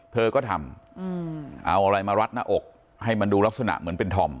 เธอก็ทำเอาอะไรมารัดหน้าอกให้มันดูลักษณะเหมือนเป็นธอม